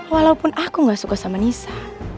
walaupun aku gak suka sama nisa